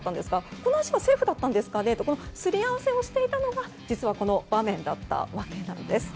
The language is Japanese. この足はセーフだったんですかとすり合わせをしていたのが、実はこの場面だったわけなんです。